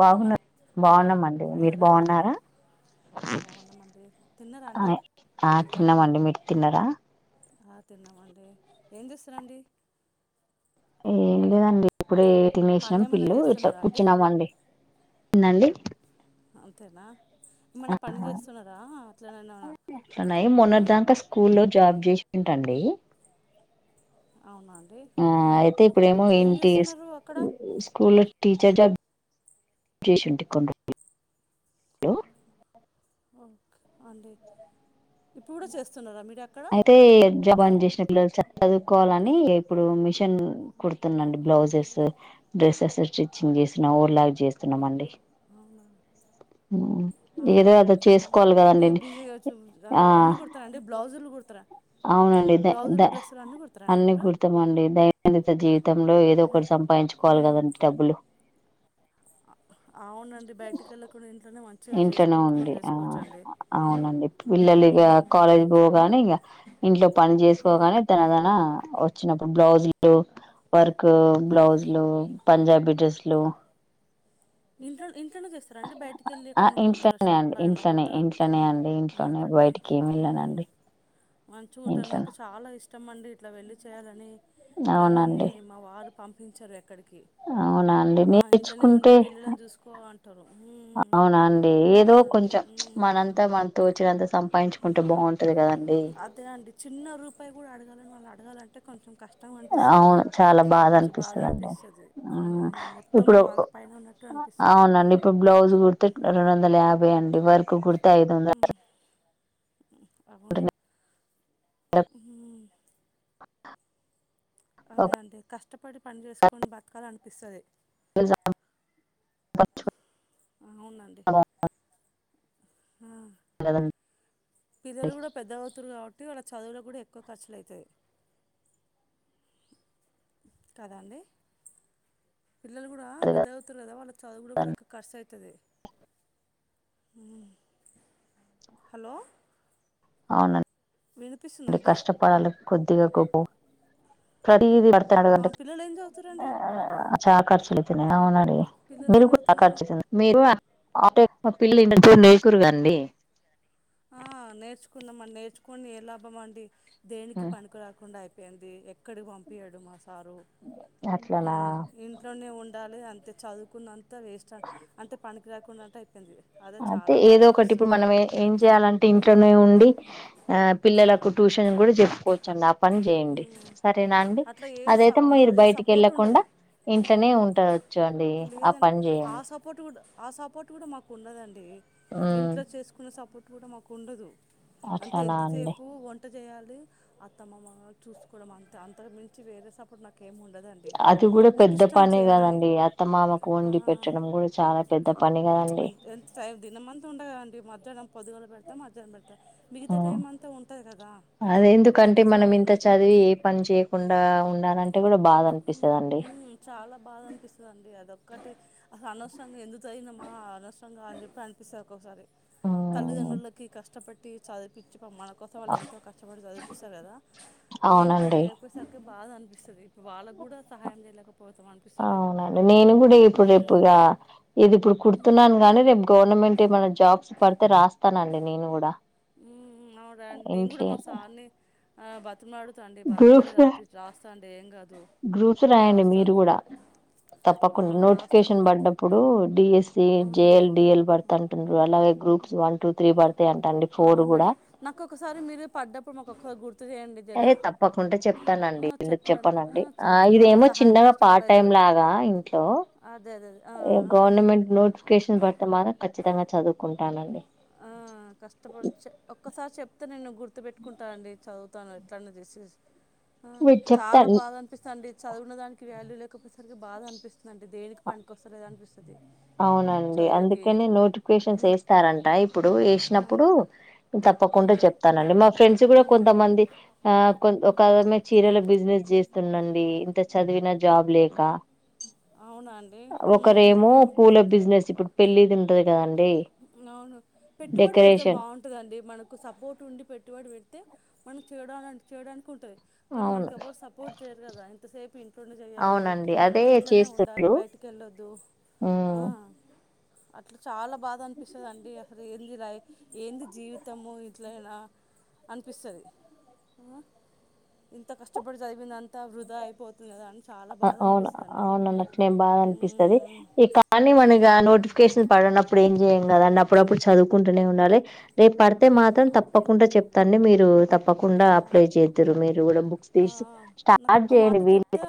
బాగున్న బాగున్నామండి మీరు బాగున్నారా బాగున్నామండి తిన్నారా అండి ఆ మధ్యాహ్నం తిన్నామండి మీరు తిన్నారా ఆ తిన్నామండి ఏం చేస్తారండి ఏంలేదండి ఇప్పుడే పని తినేస్నాం ఏమన్నా పిల్లలు ఇట్ల చేస్తున్నారా కూర్చున్నాం అండి ఎందండీ అంతేనా ఏమన్న పని చేస్తున్నారా అట్లానన్నాన ఇట్లనే మొన్నటి మ్ దాకా స్కూల్లో జాబ్ జేస్కుంటాండి అవునా అండి ఆ ఓకే అయితే ఇప్పుడేమో ఏం ఇంటి చేస్తున్నారు అక్కడ స్కూ స్కూల్లో టీచర్ జాబ్ చేసుంటి కొన్ని రోజులు ఓకే అండి ఇప్పుడుకూడా చేస్తున్నారా మీ అయితే జబాన్ జెష్ ల చదువుకోవాలని ఇప్పుడు మిషన్ కుడుతున్నన్డి బ్లౌజెస్ డ్రెస్సెస్ స్టిచ్చింగ్ చేస్తున్నాం ఓర్లాక్ చేస్తున్నాం అండి అవునా ఆ ఉన్న ఏదో అదో చేసుకోవాలి కదండి ఇక బిజీ ఆ అన్నీ కుడతారా అండి బ్లౌజులు కుడతరా అవునండి ద ద కుడతారా అండి అన్ని మీరు కుడ్తామండి దైనందిత జీవితంలో ఏదో ఒకటి సంపాదించుకోవాలి కదండి డబ్బులు అ అవునండి బయటికి వెళ్ళకుండా ఇంట్లోనే మం ఇంట్లోనే ఉండి ఆ అవునండి పిల్లలు ఇక కాలేజ్ చాలు పోగాని ఇంక ఇంట్లో పని చేసుకోగాని దనదన వచ్చినప్పుడు బ్ బ్లౌజ్ లు వర్క్ బ్లౌజ్లు పంజాబీ డ్రెస్ లు ఇంట్లో ఇంట్లోనే చేస్తార అండి బయటికెళ్ళి ఆ ఇంట్లోనే అండి ఇంట్లోనే ఇంట్లోనే అండి ఆ, ఇంట్లోనే బయటకి ఏం లేదండి మంచి గా కుట్టటం నాకు చాలా ఇష్టం ఇష్టంమండి ఇట్లా వెళ్ళి చేయాలని కానీ అవునండి మా వారు పంపించరు ఎక్కడికి అవునా అండి ఆ, ఇంట్లోనే ఉండి నేర్చుకుంటే పిల్లలను చూసుకో అంటారు ఉమ్, అవునా అండి ఏదో అవునండి కొంచెం ఉమ్. మనంతా మన తోచినంత సంపాదించుకుంటే బాగుం అదే అండి చిన్న రూపాయి కూడా అడగా వాళ్ళని అడగాంటే కొంచం కష్టం అనిపిస్తది అవును చాలా బాధ కొంచెం అనిపిస్తుందిండి అనిపిస్తది మొత్తం ఇప్పుడు వాళ్ళపైన ఉన్నట్టు అనిపిస్తది అవునండి ఇప్పుడు బ్లౌజ్ కుడితే రెండు వందల యాభై అండి ఎవరికి గుర్తు ఐదు వందలు అంటే అబను మ అ అదే అంటే కష్ట కష్టపడి పని యాభై చేసుకొని బతకాల అనిపిస్తుంది వేలు సంపాదించినా అవునండి బాగుంటది కదండి. పిల్లలు కూడా పెద్ద అవుతురు కాబట్టి వాళ్ళ చదువులో కూడా ఎక్కువ ఖర్చులు అవుతాయి కాదంండడి పిల్లలు కూడా పెద్ద అవుతారు కదా వాళ్ళ చదువు కూడా ఎకువ ఖర్చ అవుతుది హలో అవునండి వినిపిస్తుందండి కొద్దిగాకు పో ప్ర డుర్ ఆ, పిల్లలు ఏం చదువుతురండి అవును పిల్లలు ఏం బల్ర్చ చదువుతున్నారు మ ఆట మా పిల్ల ఇ లేకూరుగాండి ఆ నేర్చుకున్నాం నేర్చుకోని ఏ లాభం అండి దేనికి పనికికు రాకుండా అయిపో ంది ఎక్కడికి పంపించడు మా సారు ఆ అట్లలా ఇంట్లోనే ఉండాలి అంతే చదువుకున్నంత వేస్ట్ అంటే పనికిరా టై అయితే ఏదో ఒకటి ఇప్పుడు మనం ఏం చేయాలంటే ఇంకా ఉండి ఆ పిల్ల ఇకు ట్యూషన్ కూడా చెప్పుకోవచ్చ అండి పని చేయండి ఉమ్. సరేనా అండి అట్లా ఏ స అదైతే ఆ, మీరు అదే బయటికి సపోర్ట్ ఉండదు వెళ్ళకుండా ఇంట్లోనే ఉంటారు కూర్చోండి ఆ లేదండి పని ఆ చేయండి సపోర్ట్ కూడా ఆ సపోర్ట్ కూడా మాకు ఉండదండి ఉమ్ ఇంట్లో చేసుకున్న సపోర్ట్ కూడా మాకు ఉండదు అంతే అట్లానా అండి ఎంతసేపు ఒంటది చేయాలి. అత్తమ్మమ్మ చూసుకోవడం అంతే అంత మించి వేరే సపోర్ట్ నాకు కేమ్ ఉండదండి నాకు ఇష్టం చేయాలని కొత్త మామకు ఆ, వండి పెట్టడం కూడా చాలా పెద్ద పని కదండి. అంత ఎంత టైం దినమంతా ఉండదండి మధ్యాహ్నం పొద్దుగాల పెడుత మద్యహనం పెడుతా ఆ అదే ఎందుకంటే మిగతా మనం సమయం ఇంత ఉంటుంది చదివి కదా ఏ పని చేయకుండా ఉండాలంటే కూడా బాధ అనిపిస్తదండి ఉ చాలా బాధ అనిపిస్తుందిండి అది ఓకు ఒకటి అసలు అనవసంగా ఎందుకు చదివినమా అనవసంగా అని చెప్పి అనిపిస్తాది. ఒక్కొక్కసారి తల్లిదండ్రులకి కష్టపడి ది చదువు పిచ్చి పమ్మా కోసం వాళ్ళు ఎంతో కష్టపడి చదివిపిస్తారు. కదా ఏం పని అవునండి చేయకపోయేసరికి బాధ అనిపిస్త సరే వాళ్ళకు కూడా సహాయం చేయలేకపో అవునండి నేను కూడా ఇప్పుడు రేపు మ్మ్ ఇగ ఇది ఇప్పుడు కుడుతున్నాను. గానీ రేపు గవర్నమెంట్ ఏమనా జాబ్స్ పడితే రాస్తానండి నేను కూడా మ్మ్ అవునా అండి. నేను ఇంట్ కూడా మా సార్ని ఆ బాక్ బత్మాత అండి బర్త్ మడి రాపి రాస్త అండి ఏం కాదు గ్రూప్స్ రాయండి. మీరు రాస్తాండి కూడా ఆ తప్పకుండా రాస్తాండి నోటిఫికేషన్ మా పడ్డప్పుడు డిఎస్సి జేఎల్ ఆ డిఎల్ బర్త్ అంటురు. అలాగే గ్రూప్స్ వా అవునండి నాకు ఒకసారి మీరు పడ్డప్పుడు మాకుఒకసారి గుర్తు చేయండి. జరా అదే తప్పకుండా చెప్తానండి ఆ ఎందుకు చెప్పండి ఆ చెప్పనండి ఆ చెప్తా ఇదేమో సహాయం చిన్నగా చేసిన వాళ్ళు పార్ట్ టైం అవుతారు లాగా ఇంట్లో అదే అదే అదే. ఆ, ఏ ఆ, ఆ. గవర్నమెంట్ నోటిఫికేషన్ పడితే మార ఖచ్చితంగా చదువుకుంటానండి. ఆ కష్టపడి చ ఒక్కసారి చెప్తా నేను గుర్తు పెట్టుకుంటానండి చదువుతాను. ఎట్ల అన్న చేసిసి ఆ మీరు చాలా చెప్తాను బాధ అనిపిస్తడి చదువు ఉన్న దానికి వాల్యూ లేకపోయసరికి బాధ అనిపిస్ అవునండి చదువుకి అందుకనే ఆ, నోటిఫికేషన్స్ వేస్తారంట ఇప్పుడు ఆ, ఏసినప్పుడు ఆ. తప్పకుండా చెప్తానండి. మా ఫ్రెండ్స్ కూడా ఉమ్, కొంతమంది ఆ కొ ఒక ఆమె చీరల బిజినెస్ చేస్తుంది. అండి ఇంత చదివినా జాబ్ లేక అవునా అండి ఉమ్, ఉమ్, ఒకరేమో ఉమ్. పూల బిజినెస్ ఇప్పుడు పెళ్లి ది ఉంటది కదండి అవును పెట్టుబడి పెడితే డెకరేషన్ బాగుంటందండి మనకు సపోర్ట్ ఉండి పెట్టుబడి పెతే అయితే మనం చేయడా చేయడానికి ఉంటుంది కానీ అవును మనకి ఎవరు సపోర్ట్ చేయ్యరు కదా ే ప్పు ఇంట్లోండి చేయాలి అవునండి అదే ఇంట్లోనే ఉండాలి చేస్తుండ్రు బయటికి వెళ్ళొద్దు ఉమ్ అట్లా చాలా బాగా అనిపిస్తుందిండి అసలు ఏంది లై ఏంది జీవితము ఇట్లనా అనిపిస్తుంది ఇంత కష్టపడి చదివింది అంత వృధా అయిపోతుంది కదా చాలా బాధ అవును అనిపిస్తుందండి అవును అన్నట్ నేను బాగా అనిపిస్తుది ఈ కానీ మనగా నోటిఫికేషన్ పడినప్పుడు ఏం చేయ కద అండి అప్పుడప్పుడు చదువుకుంటూనే ఉండాలి రేపు పడితే మాత్రం తప్పకుండా చెప్తాండి మీ స ఆ తప్పకుండా అప్లై చేద్దారు మీరు కూడా బుక్స్ ఆ తీసి నాకు స్టార్ట్ ఒక్క మాట చేయడి చెప్తే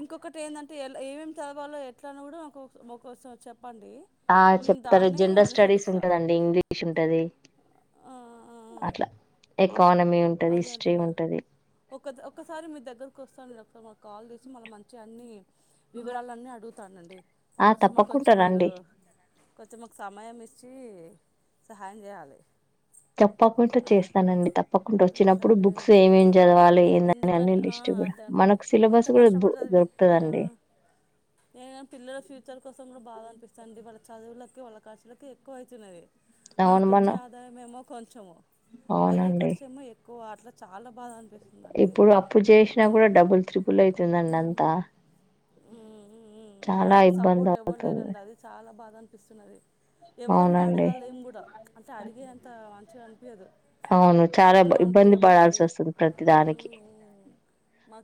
ఇంకొకటి ఏందంటే అ ఎ ఏమేమి చదవాలో ఎట్ అని కూడా ఒక ఒకసం చెప్ప ఆ చెప్తారు జనరల్ స్టడీస్ అనుసరిస్తా ఉంటదండి ఇంగ్లీష్ ఉంటది అట్లా ఎకానమీ ఉంటది హిస్టరీ అదేంటన్న ఉంటది ఒక ఒకసారి మీ దగ్గరకు వస్తాను సో మ కాల్ చేసి మళ్ళీ మంచిగా అన్నీ వివరాలన్నీ అడుగుతానండి ఆ అప్పుడుస మాకు తప్పకుండా కొంచెం మీరు రండి కొంచెం మాకు సమయం ఇస్త వచ్చి సహాయం చేయాలి తప్పకుండా చేస్తానండి తప్పకుండా తెలుసా వచ్చినప్పుడు అండి బుక్స్ ఏమేమి చదవాలి ఏందని అన్ని ఎందుకంటే లిస్ట్ కూడా అదే అంటండి మనకు ఇంత సిలబస్ కూడా బు కష్టపడు చదివి దొరుకుతదండి ఏ పిల్లల ఫ్యూచర్ కోసం కూడా బాగా అనిపిస్తుండి వాళ్ళ చదువులకి వాళ్ళ ఖర్ులకి ఎక్కువ అయితున్నది అవును మనకొచ్చే మనం ఆదాయం ఏమో చెమో అయఏ అవునండి కర్చు అట్లా చాలా బాగా అనిపిస్తుంది ఇప్పుడు అప్పుడు చేసినా కూడా డబుల్ త్రిబుల్ అయితు ందండి అంతా చాలా మనకు ఇబ్బంది సపోర్ట్ ఎవరు అవుతుంది లేరండి అది చాలా బాధ అనిపిస్తున్నది ఎవరిని అవునండి అడగాలి ఏం కూడా అంటే అడిగేంత మంచిగా పేదురు అవును చాలా ఇబ్బంది పడాల్సి అడిగి వస్తుంది ప్రతిదానికి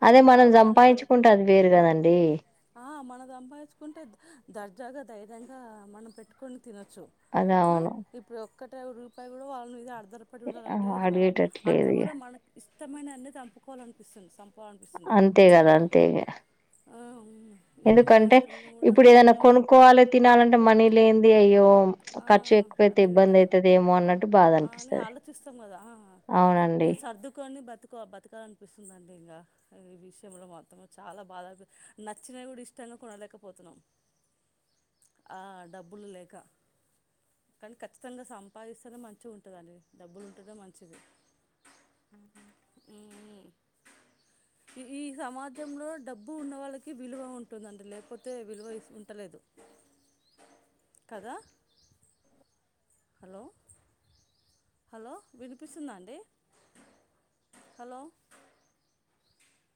అదే మనం ే సంపాదించుకుంటే అది వేరు కదండి ఆ మనది అంపాయిచ్చుకుంటే దర్జ రగగా ధైర్యంగా మనం పెట్టుకున తినొచ్చు అదే ఆ అవును ఇప్పుడు ఒక రూపాయి కూడా వాళ్ళ మీద అ ఆధరపడి ఉన్నాలంటే చాలా అడిగేటట్లేదు అట్లా ఇగ కూడా మనకు ఇ మొష్టమైననేదింపుకోవాలనిపిస్తుంది సంప బాగా అనిపిస్తుంది తేగదా అంతేగ అవును ఇష్టమైన ఎందుకంటే ఇష్టంలో కూడా ఇప్పుడు ఏదైనా ఉమ్ కొనుక్కోవాలి తినాలంటే మనీ లేని అయ్యో ఆ ఖర్చు ఎక్కువైతే అదే కదా ఇబ్బంది అవుతుది ఏమో అన్నట్టు బాధ ఆ, అని అనిపిస్తుంది ఆలోచిస్తాం కదా అవునండి ఎక్కువ బతకాల అనిపిస్తుందండి ఇంకా ఈ వియం మత్త చాలా బాధ నచ్చినవి కూడా ఇష్టంగా కొనలేకపోతున్నాం ఆ డబ్బులు లేక కానీ ఖచ్చితంగా సంపాదిస్తనే మంచి ఉంటుంది అని డబ్బులు ఉంటు మంచిది ఈ సమాజంలో డబ్బు ఉన్న వాళ్ళకి విలువ ఉంటుందండి లేకపోతే విలువ ఉంటలేదు కదా హలో హలో వినిపిస్తుందా అండి హలో